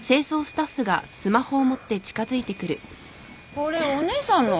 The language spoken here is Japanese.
これお姉さんの？